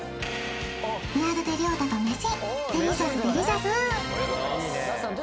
宮舘涼太とメシデリシャスデリシャス！